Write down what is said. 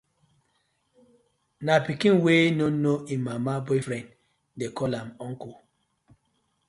Na pikin wey no know im mama boyfriend dey call am uncle.